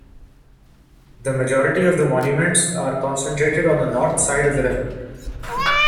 The majority of the monuments are concentrated on the north side of the river.